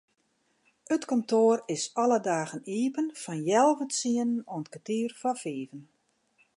It kantoar is alle dagen iepen fan healwei tsienen oant kertier foar fiven.